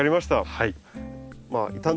はい。